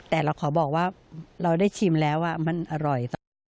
แต่เราขอบอกว่าเราได้ชิมแล้วมันอร่อยตอนนี้